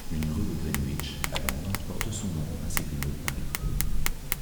Une rue de Greenwich, à Londres, porte son nom, ainsi qu'une rue de Paris.